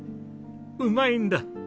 うまいんだ！